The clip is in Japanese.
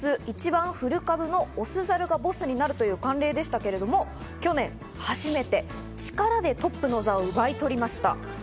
一番古株のオスザルがボスになるという慣例でしたけれども去年、初めて力でトップの座を奪い取りました。